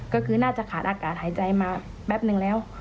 ก็คือน่าจะขาดอากาศหายใจมาแป๊บนึงแล้ว